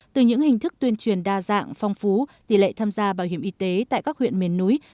từ những hình thức tuyên truyền đa dạng phong phú tỷ lệ tham gia bảo hiểm y tế tại các huyện miền núi